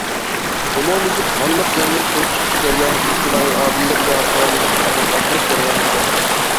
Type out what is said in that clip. ئومۇميۈزلۈك ھاللىق جەمئىيەت قۇرۇپ چىقىش جەريانى ئىجتىمائىي ئادىللىق ۋە ھەققانىيلىقنى ئەمەلگە ئاشۇرۇش جەريانى ھېسابلىنىدۇ.